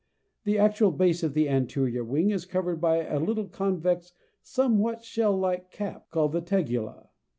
The actual base of the anterior wing is covered by a little convex somewhat shell like cap, called the tegula (T).